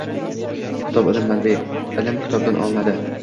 Kitob – ilm manbai. Ilm kitobdan olinadi.